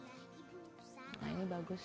nah ini bagus